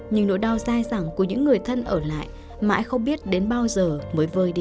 nhưng nỗi đau dai dẳng của những người thân ở lại mãi không biết đến bao giờ mới vơi đi